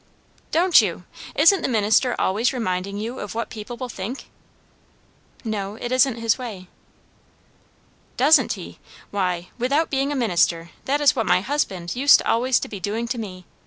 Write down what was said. "Don't you! Isn't the minister always reminding you of what people will think?" "No. It isn't his way." "Doesn't he? Why, without being a minister, that is what my husband used always to be doing to me.